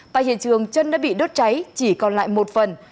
tại hiện trường chân đã bị đốt cháy chỉ còn lại một phần